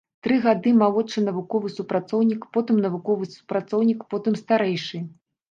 Тры гады малодшы навуковы супрацоўнік, потым навуковы супрацоўнік, потым старэйшы.